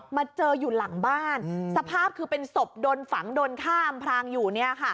มาเจออยู่หลังบ้านสภาพคือเป็นศพโดนฝังโดนข้ามพรางอยู่เนี่ยค่ะ